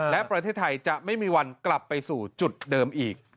และประเทศไทยจะไม่มีวันกลับไปสู่จุดเดิมอีก